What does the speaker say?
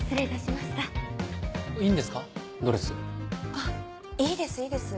あいいですいいです。